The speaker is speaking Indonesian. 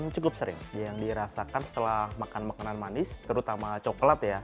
cukup sering yang dirasakan setelah makan makanan manis terutama coklat ya